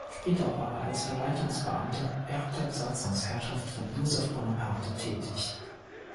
Später war er als Verwaltungsbeamter während der Besatzungsherrschaft von Joseph Bonaparte tätig.